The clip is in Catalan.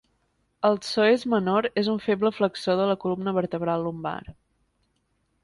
El psoes menor és un feble flexor de la columna vertebral lumbar.